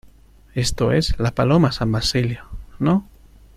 esto es... la Paloma San Basilio, ¿ no?